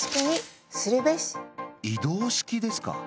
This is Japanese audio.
移動式ですか？